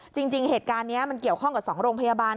จริงเหตุการณ์นี้มันเกี่ยวข้องกับ๒โรงพยาบาล